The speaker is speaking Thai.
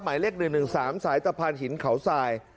หมายเลข๑๑๓สายตะพานหินเขาทราย